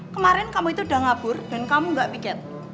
kemarin kamu itu udah ngabur dan kamu gak pikir